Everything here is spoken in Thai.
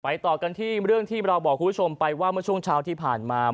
ต่อกันที่เรื่องที่เราบอกคุณผู้ชมไปว่าเมื่อช่วงเช้าที่ผ่านมา